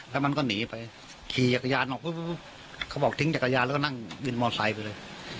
แล้วมันก็หนีไปขี่จักรยานออกปุ๊บเขาบอกทิ้งจักรยานแล้วก็นั่งวินมอไซค์ไปเลย